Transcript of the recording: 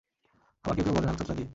আবার কেউ কেউ বলেন, আলকাতরা দিয়ে।